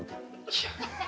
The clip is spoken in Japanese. いや。